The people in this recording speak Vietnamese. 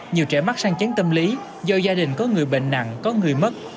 nhiều trẻ mắc sang chén tâm lý do gia đình có người bệnh nặng có người mất